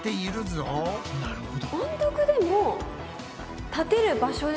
なるほど。